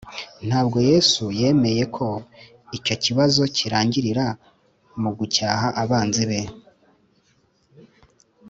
ntabwo yesu yemeye ko icyo kibazo kirangirira mu gucyaha abanzi be